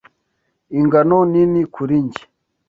Ingano nini kuri njye.